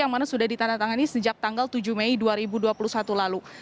yang mana sudah ditandatangani sejak tanggal tujuh mei dua ribu dua puluh satu lalu